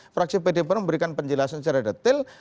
fraksi pdip memberikan penjelasan secara detail